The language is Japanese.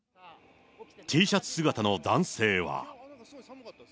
Ｔシャツ姿の男性は。